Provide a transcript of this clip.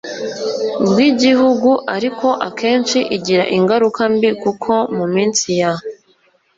bw'igihugu, ariko akenshi igira ingaruka mbi kuko mu minsi ya